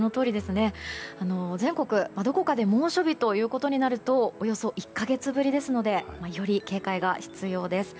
全国どこかで猛暑日ということになるとおよそ１か月ぶりですのでより警戒が必要です。